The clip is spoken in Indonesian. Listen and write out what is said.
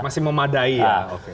masih memadai ya